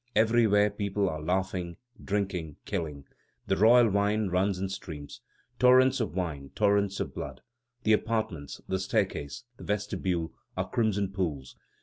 Everywhere people are laughing, drinking, killing. The royal wine runs in streams. Torrents of wine, torrents of blood. The apartments, the staircase, the vestibule, are crimson pools.